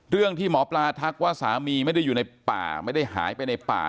ที่หมอปลาทักว่าสามีไม่ได้อยู่ในป่าไม่ได้หายไปในป่า